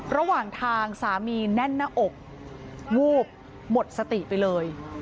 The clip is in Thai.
ระหว่างทางสามีแน่นหน้าอกวูบหมดสติไปเลย